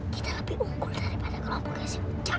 kita lebih unggul daripada kelompoknya si hujan